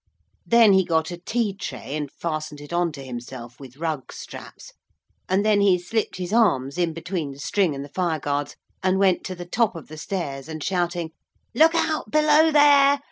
Then he got a tea tray and fastened it on to himself with rug straps, and then he slipped his arms in between the string and the fire guards, and went to the top of the stairs and shouting, 'Look out below there!